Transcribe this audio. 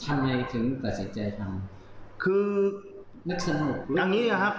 ทำไงถึงตัดสินใจทำคือนักสนุกตอนนี้เนี่ยครับ